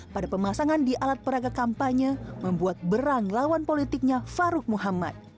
pada pemasangan di alat peragak kampanye membuat berang lawan politiknya faruk muhammad